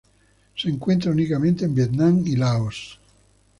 Se encuentra únicamente en Vietnam y Laos.